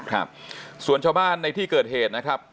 ครับส่วนชาวบ้านในที่เกิดเหตุนะครับ